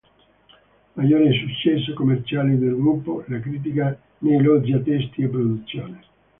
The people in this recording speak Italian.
Maggiore successo commerciale del gruppo, la critica ne elogia testi e produzione.